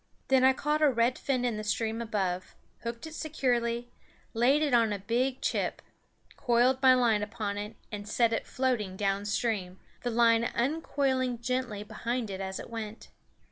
Then I caught a red fin in the stream above, hooked it securely, laid it on a big chip, coiled my line upon it, and set it floating down stream, the line uncoiling gently behind it as it went.